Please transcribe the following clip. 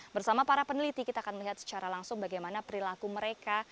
bersama para peneliti kita akan melihat secara langsung bagaimana perilaku mereka